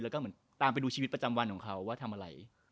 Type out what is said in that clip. แล้วก็เหมือนตามไปดูชีวิตประจำวันของเขาว่าทำอะไร